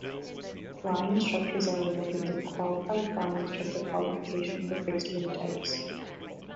Flying instructors are awarded the Qualified Flying Instructor qualification for fixed-wing types.